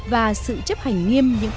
và sự chấp hành nghiêm những công tác